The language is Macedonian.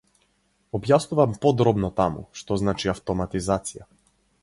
Објаснувам подробно таму - што значи автоматизација.